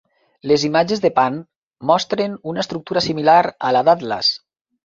Les imatges de Pan mostren una estructura similar a la d'Atlas.